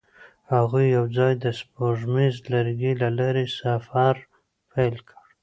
هغوی یوځای د سپوږمیز لرګی له لارې سفر پیل کړ.